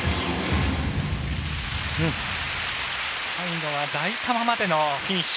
最後は抱いたままでのフィニッシュ。